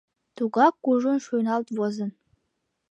Тугак кужун шуйналт возын.